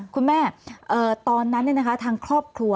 คุณแม่ตอนนั้นเนี่ยนะคะทางครอบครัว